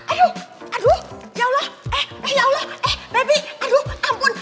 aduh aduh ya allah eh ya allah eh tapi aduh ampun